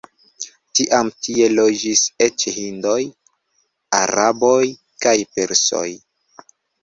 Tiam tie loĝis eĉ hindoj, araboj kaj persoj.